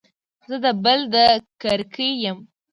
زه د بل د کرکې يم.